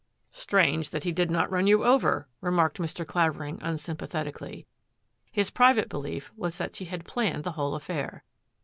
" Strange that he did not run over you," re marked Mr. Clavering unsympathetically. His private belief was that she had planned the whole affair.